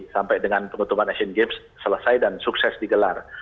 sampai dengan penutupan asian games selesai dan sukses digelar